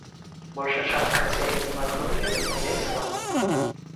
Большая частка насельніцтва акругі вызнае іслам.